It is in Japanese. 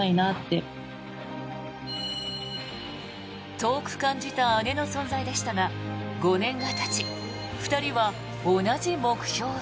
遠く感じた姉の存在でしたが５年がたち２人は同じ目標へ。